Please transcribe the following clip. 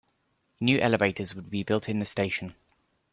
New elevators would be built in the station.